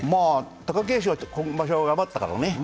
貴景勝は今場所、頑張ってたからね。